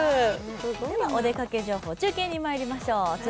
ではお出かけ情報、中継にまいりましょう。